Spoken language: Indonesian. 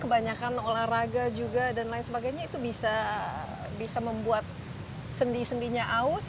kebanyakan olahraga juga dan lain sebagainya itu bisa membuat sendi sendinya aus